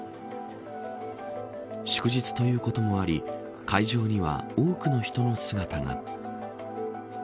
祝日ということもあり会場には多くの人の姿が。